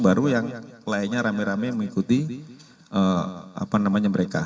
baru yang lainnya rame rame mengikuti mereka